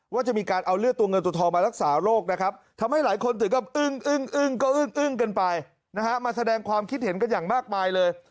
ว่าจะมีการเอาเลือดตัวเงินตัวทองมารักษาโรคนะครับทำให้หลายคนถึงกับอึ้งอึ้งก็อึ้งกันไปนะฮะมาแสดงความคิดเห็นกันอย่างมากมายเลย